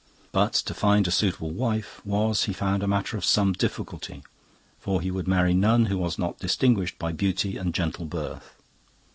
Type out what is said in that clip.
But to find a suitable wife was, he found, a matter of some difficulty; for he would marry none who was not distinguished by beauty and gentle birth.